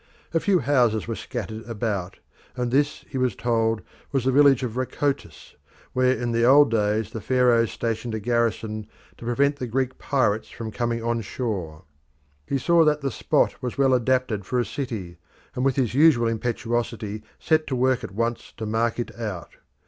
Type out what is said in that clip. A few houses were scattered about, and this, he was told, was the village of Rhacotis, where in the old days the Pharaohs stationed a garrison to prevent the Greek pirates from coming on shore. He saw that the spot was well adapted for a city, and with his usual impetuosity went to work at once to mark it out.